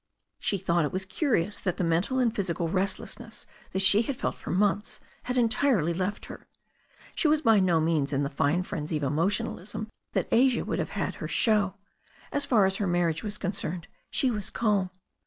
She thought it was curious tha^ 422 THE STORY OF A NEW ZEALAND RIVER the mental and physical restlessness that she had felt for months had entirely left her. She was hy no means in the fine frenzy of emotionalism that Asia would have had her show; as far as her marriage was concerned she was calm.